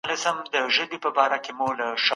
په خپل ژوند کي هدف ولرئ.